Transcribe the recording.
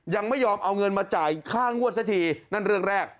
ยังไม่ยอมเอาเงินมาจ่ายค่างวดสักทีนั่นเรื่องแรก